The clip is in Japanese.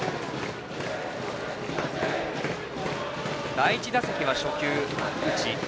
第１打席は初球打ち。